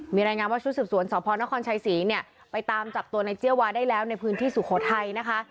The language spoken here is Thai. มีรายงานว่าชุดสืบสวนสพนครชัยศรีเนี่ยไปตามจับตัวในเจียวาได้แล้วในพื้นที่สุโขทัยนะคะ